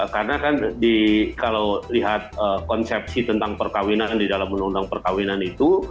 karena kan kalau lihat konsepsi tentang perkawinan di dalam undang undang perkawinan itu